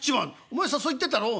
「お前さんそう言ってたろ？